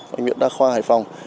bệnh viện đa khoa hải phòng